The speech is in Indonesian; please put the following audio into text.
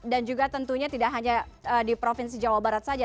dan juga tentunya tidak hanya di provinsi jawa barat saja